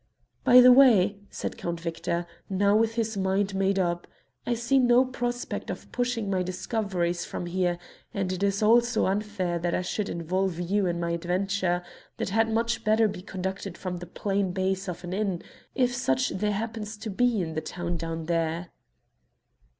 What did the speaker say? "By the way," said Count Victor, now with his mind made up, "I see no prospect of pushing my discoveries from here, and it is also unfair that I should involve you in my adventure, that had much better be conducted from the plain base of an inn, if such there happens to be in the town down there."